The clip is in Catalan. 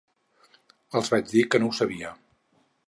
Els vaig dir que no ho sabia.